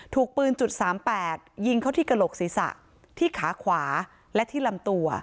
ถูกปืนจุด๓๘ยิงเข้าที่กระโหลกศีรษะที่ขาขวาและที่ลำตัว